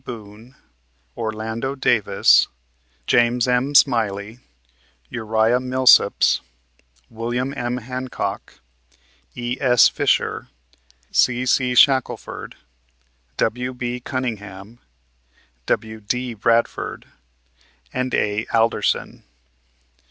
Boone, Orlando Davis, James M. Smiley, Uriah Millsaps, William M. Hancock, E.S. Fisher, C.C. Shackleford, W.B. Cunningham, W.D. Bradford and A. Alderson.